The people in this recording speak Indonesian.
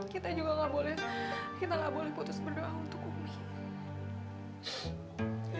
kita juga gak boleh kita gak boleh putus berdoa untuk umi